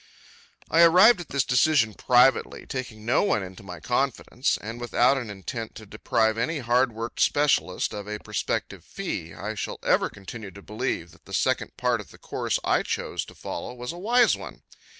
I arrived at this decision privately, taking no one into my confidence. And without an intent to deprive any hard worked specialist of a prospective fee, I shall ever continue to believe that the second part of the course I chose to follow was a wise one.